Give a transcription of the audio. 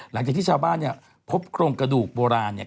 หลังจากที่ชาวบ้านพบกรงกระดูกโบราณ